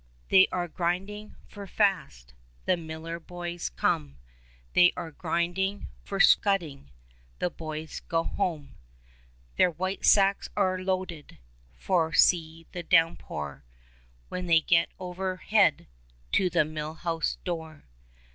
They are grinding ; for fast The miller boys come ; They are grinding ; for, scudding, The boys go home. Their white sacks are loaded ; For, see the downpour When they get overhead To the mill house door.